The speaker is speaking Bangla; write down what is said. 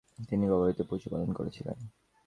তিনি গবাদি পশু পালন করেছিলেন।